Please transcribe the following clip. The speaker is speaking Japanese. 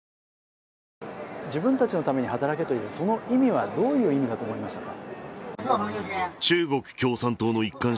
自分たちのために働けというその意味は、どういう意味だと思いましたか？